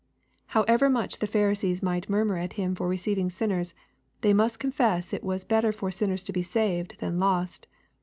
However much the Pharisees might murmur at Him for receiving sinners, they must confess it was better for sinners to be saved than lost.